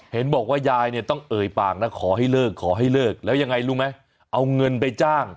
เห็นบอกว่ายายเนี่ยต้องเอ่ยปากนะขอให้เลิกขอให้เลิกแล้วยังไงรู้ไหมเอาเงินไปจ้าง